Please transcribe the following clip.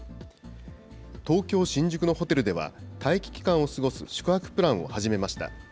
東京・新宿のホテルでは、待機期間を過ごす宿泊プランを始めました。